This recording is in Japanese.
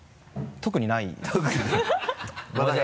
特にない